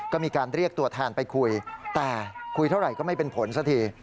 ก็มีการเรียกตัวแทนไปคุยแต่คุยเท่าไหร่ก็ไม่เป็นผลสักที